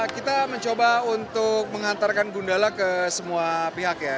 kita mencoba untuk mengantarkan gundala ke semua pihak ya